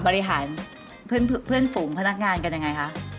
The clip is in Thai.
บริหารเพื่อนฝูงพนักงานกันยังไงคะ